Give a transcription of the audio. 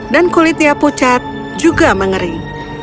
dan kulitnya pucat juga mengering